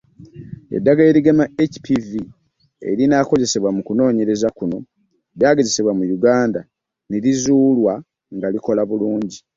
Eddagala erigema HPV erinaakozesebwa mu kunoonyereza kuno lyagezesebwa mu Uganda ne lizuulwa nga likola bulungi.